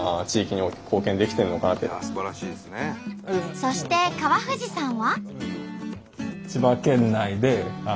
そして川藤さんは。